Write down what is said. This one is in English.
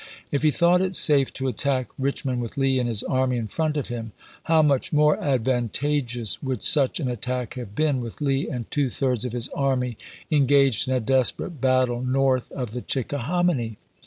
If he thought it safe to attack p! 51." Richmond with Lee and his army in front of him, how much more advantageous would such an at tack have been with Lee and two thirds of his army engaged in a desperate battle north of the Chicka hominy.